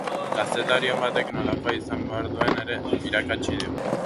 Kazetari on batek nolakoa izan behar duen ere irakatsi digu.